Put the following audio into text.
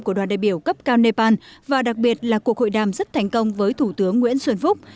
của đoàn đại biểu cấp cao nepal và đặc biệt là cuộc hội đàm rất thành công với thủ tướng nguyễn xuân phúc